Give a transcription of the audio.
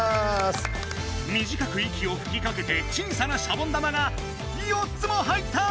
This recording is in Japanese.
みじかく息をふきかけて小さなシャボン玉が４つも入った！